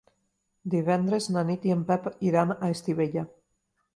Divendres na Nit i en Pep iran a Estivella.